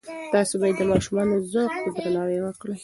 تاسې باید د ماشومانو ذوق ته درناوی وکړئ.